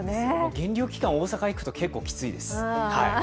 減量期間、大阪に行くと結構きついです。